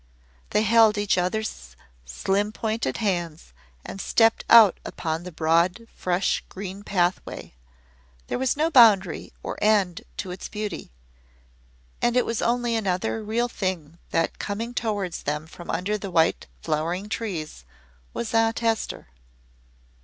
They held each other's slim pointed hands and stepped out upon the broad, fresh green pathway. There was no boundary or end to its beauty, and it was only another real thing that coming towards them from under the white, flowering trees was Aunt Hester.